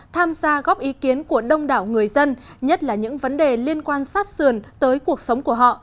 tham gia góp ý kiến của đông đảo người dân nhất là những vấn đề liên quan sát sườn tới cuộc sống của họ